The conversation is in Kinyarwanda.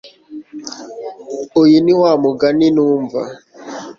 Uyu ni wa mugani ntumva.